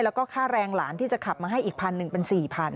แล้วก็ค่าแรงหลานที่จะขับมาให้อีกพันหนึ่งเป็น๔๐๐